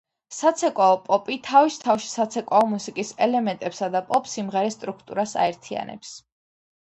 საცეკვაო პოპი თავის თავში საცეკვაო მუსიკის ელემენტებსა და პოპ სიმღერის სტრუქტურას აერთიენებს.